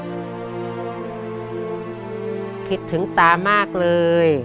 คิดถึงตามากเลย